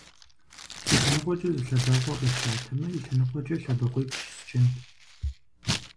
Си лъэныкъуэкӏэ зы лъэбакъуэ къичатэмэ, и лъэныкъуэкӏэ лъэбакъуипщӏ счынт.